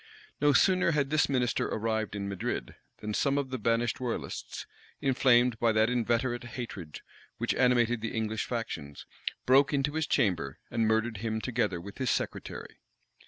No sooner had this minister arrived in Madrid, than some of the banished royalists, inflamed by that inveterate hatred which animated the English factions, broke into his chamber, and murdered him together with his secretary.